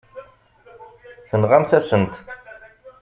Tenɣamt-asen-t.